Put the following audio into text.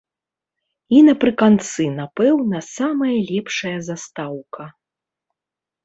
І напрыканцы, напэўна, самая лепшая застаўка.